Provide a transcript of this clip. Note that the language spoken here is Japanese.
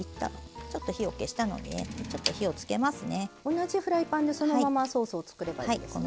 同じフライパンでそのままソースを作ればいいんですね。